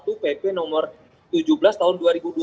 itu di pasal tiga ayat satu pp no tujuh belas tahun dua ribu tujuh belas